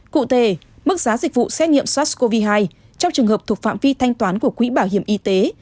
cụ thể mức giá dịch vụ xét nghiệm sars cov hai trong trường hợp thuộc phạm vi thanh toán của quỹ bảo hiểm y tế